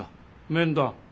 面談？